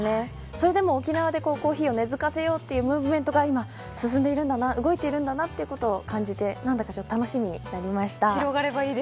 それでも沖縄でコーヒーを根づかせようというムーブメントが動いているんだなということを感じて何だかちょっと楽しみになりました。